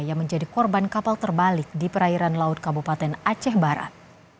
yang menjadi korban kapal terbalik di perairan laut kabupaten aceh barat